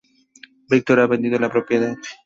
Víctor ha vendido la propiedad.